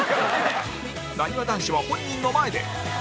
なにわ男子は本人の前で